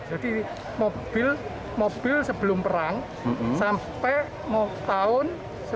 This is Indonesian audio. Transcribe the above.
jadi mobil sebelum perang sampai tahun seribu sembilan ratus tujuh puluh sembilan